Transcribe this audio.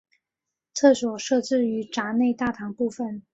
厕所设置于闸内大堂部分。